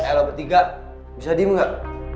eh lo bertiga bisa diem gak